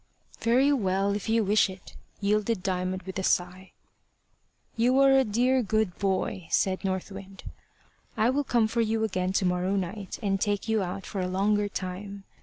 "Very well; if you wish it," yielded Diamond with a sigh. "You are a dear good, boy" said North Wind. "I will come for you again to morrow night and take you out for a longer time.